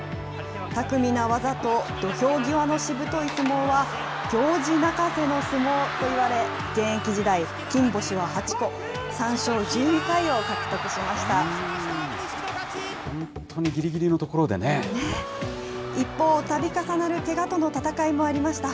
巧みな技と土俵際のしぶとい相撲は、行司泣かせの相撲といわれ、現役時代、金星は８個、三賞１２回を獲得しました。